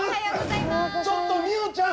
ちょっと海音ちゃん！